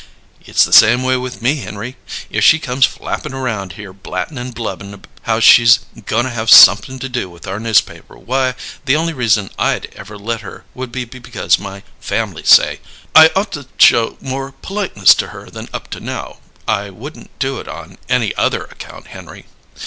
"It's the same way with me, Henry. If she comes flappin' around here blattin' and blubbin' how she's goin' to have somep'n to do with our newspaper, why, the only reason I'd ever let her would be because my family say I ought to show more politeness to her than up to now. I wouldn't do it on any other account, Henry."